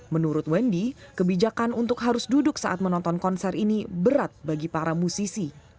menurut wendy kebijakan untuk harus duduk saat menonton konser ini berat bagi para musisi